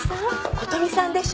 琴美さんでしょ？